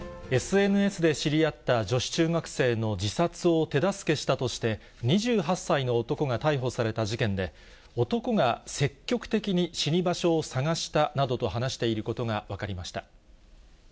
ＳＮＳで知り合った女子中学生の自殺を手助けしたとして、２８歳の男が逮捕された事件で、男が積極的に死に場所を探したなどと話していることが分かりました。